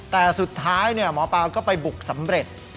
แต่สุดท้ายหมอปลาก็ไปบุกสำเร็จ